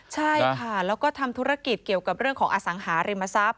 ใช่ค่ะแล้วก็ทำธุรกิจเกี่ยวกับเรื่องของอสังหาริมทรัพย